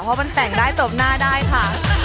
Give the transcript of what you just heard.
เพราะมันแต่งได้ตบหน้าได้ค่ะ